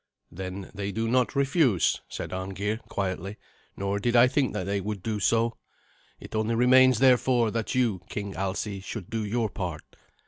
"Then they do not refuse," said Arngeir quietly, "nor did I think that they would do so. It only remains therefore, that you, King Alsi, should do your part.